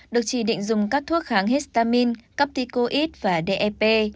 được chỉ định dùng các thuốc kháng histamine copticoid và dep